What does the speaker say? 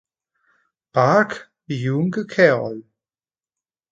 Park Byung-cheol